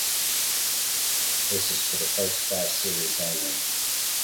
This is for the first-class series only.